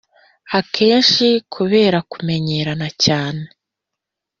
akenshi kubera kumenyerana cyane